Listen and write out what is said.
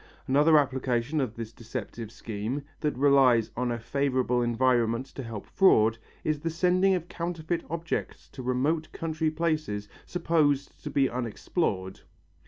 Another application of this deceptive scheme, that relies on a favourable environment to help fraud, is the sending of counterfeit objects to remote country places supposed to be unexplored.